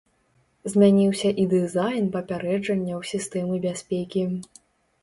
Змяніўся і дызайн папярэджанняў сістэмы бяспекі.